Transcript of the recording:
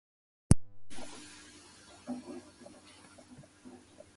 However, his favourite sport was boxing.